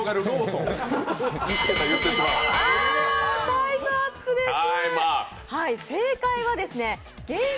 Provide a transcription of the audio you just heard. タイムアップです。